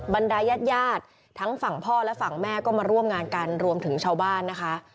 บรรดายาดทั้งฝั่งพ่อและฝั่งแม่ก็มาร่วมงานกันรวมถึงชาวบ้านนะคะ